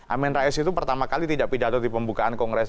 amin rais itu pertama kali tidak pidato di pembukaan kongres